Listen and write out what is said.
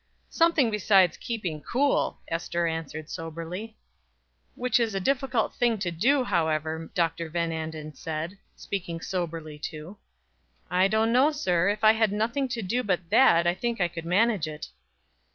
"Something besides keeping cool," Ester answered soberly. "Which is a difficult thing to do, however," Dr. Van Anden said, speaking soberly too. "I don't know, sir; if I had nothing to do but that, I think I could manage it."